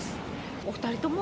お２人とも？